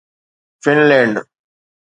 Finland